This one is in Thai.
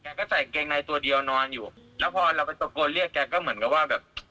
ก็ใส่เกงในตัวเดียวนอนอยู่แล้วพอเราไปตะโกนเรียกแกก็เหมือนกับว่าแบบ